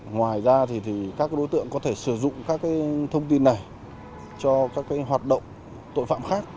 ngoài ra thì các đối tượng có thể sử dụng các thông tin này cho các hoạt động tội phạm khác